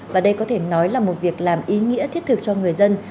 và đây có thể nói là một việc làm ý nghĩa thiết thực cho người dân